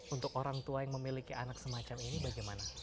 untuk orang tua yang memiliki anak semacam ini bagaimana